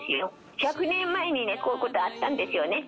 １００年前にね、こういうことあったんですよね。